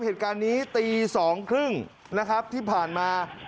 เหตุการณ์นี้ตี๒๓๐นะครับที่ผ่านมา